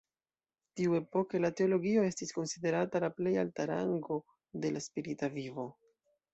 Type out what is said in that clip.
Tiuepoke, la teologio estis konsiderata la plej alta rango de la spirita vivo.